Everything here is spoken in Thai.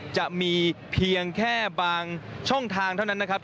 จะมีเพียงแค่บางช่องทางเท่านั้นนะครับ